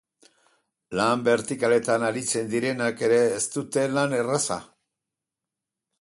Lan bertikaletan aritzen direnak ere ez dute lan erraza.